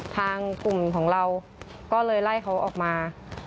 ทางกลุ่มของเราก็เลยไล่เขาออกมา